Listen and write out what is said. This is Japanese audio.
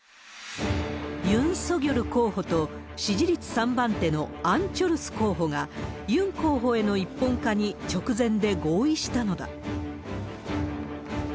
ユン・ソギョル候補と支持率３番手のアン・チョルス候補が、ユン候補への一本化に、直前で合意したのだ。